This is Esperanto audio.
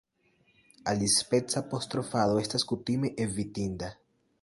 Alispeca apostrofado estas kutime evitinda.